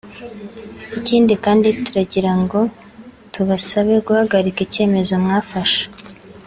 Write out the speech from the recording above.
Ikindi kandi turagira ngo tubasabe guhagarika icyemezo mwafashe